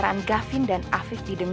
aku mau tidur di sini